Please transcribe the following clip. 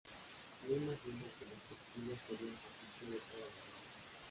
No imaginó que los textiles serían su oficio de toda la vida.